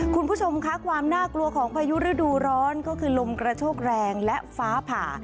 คุณผู้ชมค่ะความน่ากลัวของพายุฤดูร้อนก็คือลมกระโชกแรงและฟ้าผ่า